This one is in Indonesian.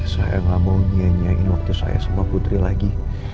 saya gak mau nyanyiin waktu saya sama putri lagi